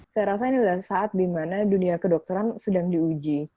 saya rasa ini adalah saat di mana dunia kedokteran sedang diuji